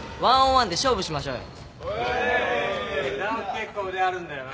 結構腕あるんだよな。